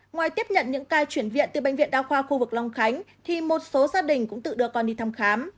ngoài tiếp nhận những ca chuyển viện từ bệnh viện đa khoa khu vực long khánh thì một số gia đình cũng tự đưa con đi thăm khám